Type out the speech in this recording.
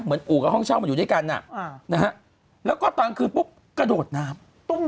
อู่กับห้องเช่ามันอยู่ด้วยกันแล้วก็ตอนคืนปุ๊บกระโดดน้ำ